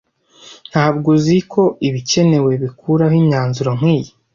Ntabwo uzi ko ibikenewe bikuraho imyanzuro nkiyi.